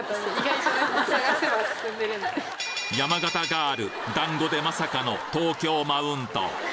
ガール団子でまさかの東京マウント